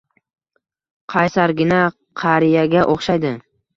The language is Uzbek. Qaysargina qariyaga o`xshaydi